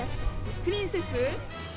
プリンセス？